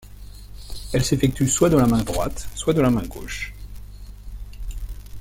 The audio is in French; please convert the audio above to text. Elle s'effectue soit de la main droite, soit de la main gauche.